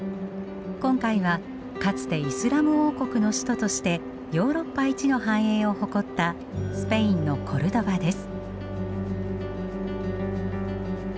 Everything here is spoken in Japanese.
今回はかつてイスラム王国の首都としてヨーロッパ一の繁栄を誇ったスペインのコルドバです。